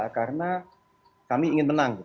karena kami ingin menang